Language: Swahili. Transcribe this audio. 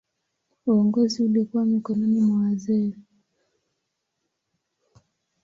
Uongozi ulikuwa mikononi mwa wazee.